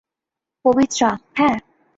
পবিত্রা, হ্যাঁ!